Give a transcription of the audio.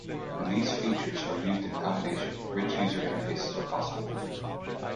When these features are used in combination, rich user interfaces are possible.